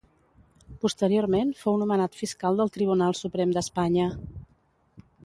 Posteriorment fou nomenat fiscal del Tribunal Suprem d'Espanya.